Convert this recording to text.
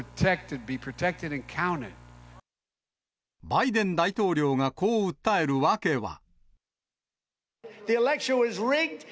バイデン大統領がこう訴える訳は。